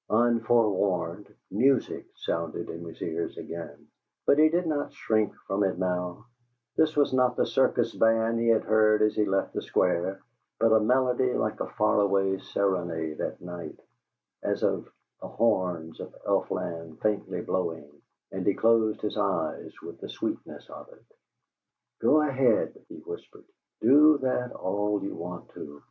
Unforewarned, music sounded in his ears again; but he did not shrink from it now; this was not the circus band he had heard as he left the Square, but a melody like a far away serenade at night, as of "the horns of elf land faintly blowing"; and he closed his eyes with the sweetness of it. "Go ahead!" he whispered. "Do that all you want to.